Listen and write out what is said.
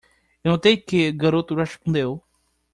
"Eu notei que?" o garoto respondeu.